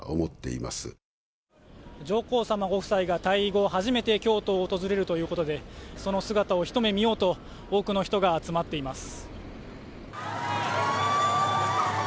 上皇さまご夫妻が退位後初めて京都を訪れるということで、その姿を一目見ようと、多くの人が集まっています。